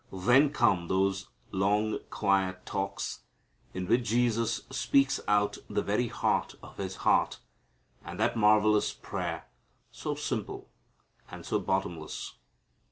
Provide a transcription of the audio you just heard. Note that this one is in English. Then come those long quiet talks, in which Jesus speaks out the very heart of His heart, and that marvellous prayer so simple and so bottomless.